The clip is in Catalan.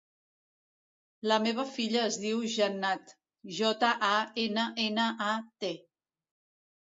La meva filla es diu Jannat: jota, a, ena, ena, a, te.